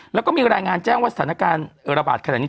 แล้วก็มีรายงานแจ้งว่าสถานการณ์ระบาดขนาดนี้